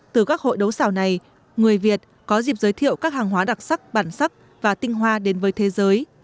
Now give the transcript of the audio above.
từ các hội đấu xào này người việt có dịp giới thiệu các hàng hóa đặc sắc bản sắc và tinh hoa đến với thế giới